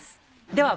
では